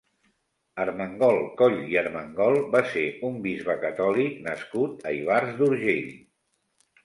Armengol Coll i Armengol va ser un bisbe catòlic nascut a Ivars d'Urgell.